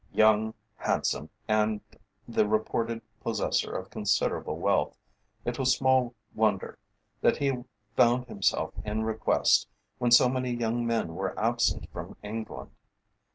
Young, handsome, and the reported possessor of considerable wealth, it was small wonder that he found himself in request, when so many young men were absent from England.